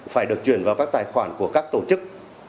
phải được chuyển vào các tài khoản của các tổ chức